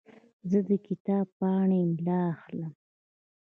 زه د کتاب پاڼې املا اخلم.